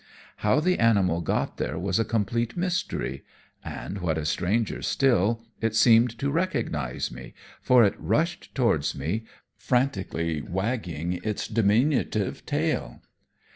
How the animal got there was a complete mystery, and, what is stranger still, it seemed to recognize me, for it rushed towards me, frantically wagging its diminutive tail.